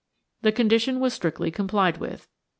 The condition was strictly complied with.